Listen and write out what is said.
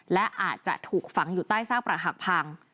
และอาจจะถูกฝังอยู่ใต้ซากประหักพัง